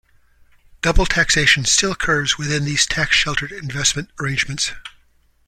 Double taxation still occurs within these tax-sheltered investment arrangements.